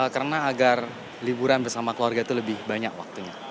karena agar liburan bersama keluarga itu lebih banyak waktunya